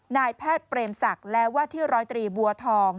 นายแพทย์เปรมศักดิ์และว่าที่ร้อยตรีบัวทอง